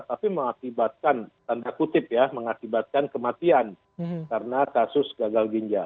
tapi mengakibatkan tanda kutip ya mengakibatkan kematian karena kasus gagal ginjal